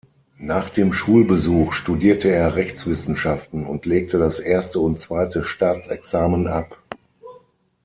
Nach dem Schulbesuch studierte er Rechtswissenschaften und legte das erste und zweite Staatsexamen ab.